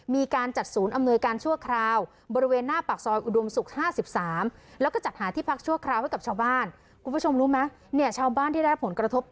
มีการจัดศูนย์อำนวยการชั่วคราวบริเวณหน้าปากซอยอุดวมศุกร์๕๓